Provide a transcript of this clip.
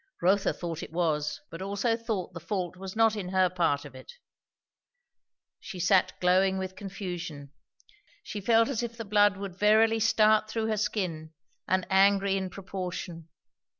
Rotha thought it was, but also thought the fault was not in her part of it. She sat glowing with confusion; she felt as if the blood would verily start through her skin; and angry in proportion.